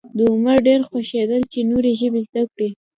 د عمر ډېر خوښېدل چې نورې ژبې زده کړي.